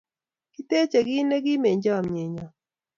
kiteje kit ne kim eng' chamiet nyo